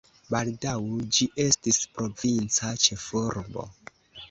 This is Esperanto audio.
Baldaŭ ĝi estis provinca ĉefurbo.